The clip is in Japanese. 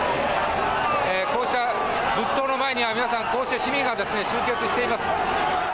こうした仏塔の前には、皆さん、こうして市民が集結しています。